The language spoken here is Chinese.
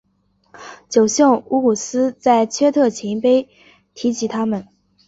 九姓乌古斯在阙特勤碑提及他们。